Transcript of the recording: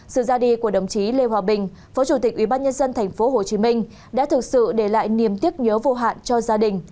sự ra đi của đồng chí lê hòa bình phó chủ tịch ubnd tp hcm đã thực sự để lại niềm tiếc nhớ vô hạn cho gia đình